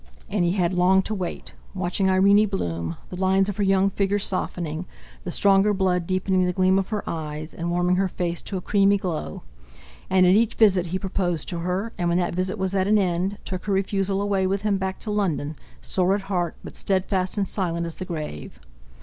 And he had long to wait, watching Irene bloom, the lines of her young figure softening, the stronger blood deepening the gleam of her eyes, and warming her face to a creamy glow; and at each visit he proposed to her, and when that visit was at an end, took her refusal away with him, back to London, sore at heart, but steadfast and silent as the grave.